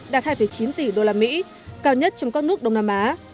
đạt hai chín tỷ usd cao nhất trong các nước đông nam á